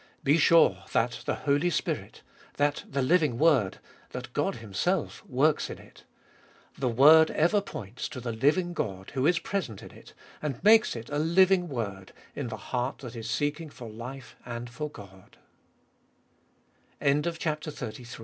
Be sure that the Holy Spirit, that the living Word, that God Himself works in it. The word ever points to the living God, who is present in it, and makes it a living word, in the heart that is seeking for life a